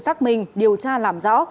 xác minh điều tra làm rõ